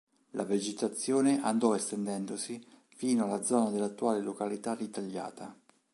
La vegetazione andò estendendosi fino alla zona dell'attuale località di Tagliata.